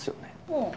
うん。